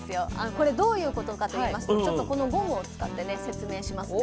これどういうことかといいますとちょっとこのゴムを使ってね説明しますね。